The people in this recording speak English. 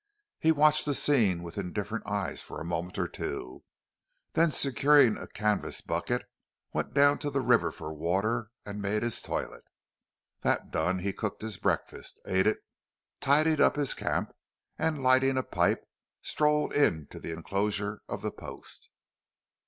He watched the scene with indifferent eyes for a moment or two, then securing a canvas bucket went down to the river for water, and made his toilet. That done, he cooked his breakfast, ate it, tided up his camp, and lighting a pipe strolled into the enclosure of the Post.